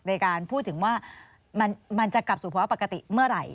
ในการพูดถึงว่ามันจะกลับสู่ภาวะปกติเมื่อไหร่